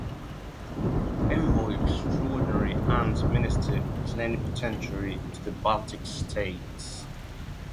Envoy Extraordinary and Minister Plenipotentiary to the Baltic States.